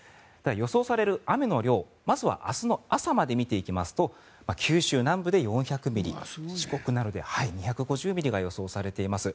予想される雨の量まずは明日の朝まで見ていきますと九州南部で４００ミリ四国などで２５０ミリが予想されています。